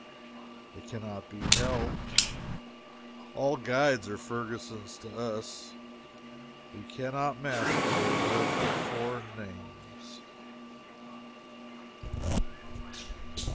It can not be helped. All guides are Fergusons to us. We can not master their dreadful foreign names.